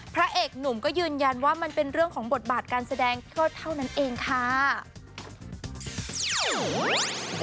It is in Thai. พระเอกหนุ่มก็ยืนยันว่ามันเป็นเรื่องของบทบาทการแสดงก็เท่านั้นเองค่ะ